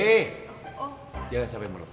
eh jangan sampai melepun